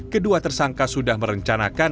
kedua tersangka sudah merencanakan